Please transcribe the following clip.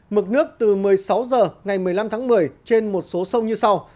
mực nước từ một mươi sáu h ngày một mươi năm tháng một mươi trên một số sông như sau